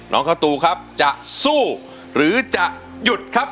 ข้าวตูครับจะสู้หรือจะหยุดครับ